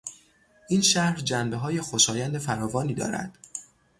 این شهر جنبههای خوشایند فراوانی دارد.